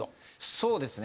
そうですね。